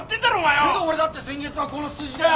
けど俺だって先月はこの数字だよ！